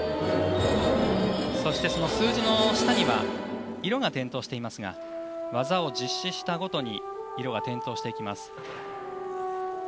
その数字の下には色が点灯していますが技を実施したごとに色が点灯していきます。